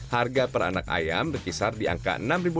harga per anak ayam berkisar di angka enam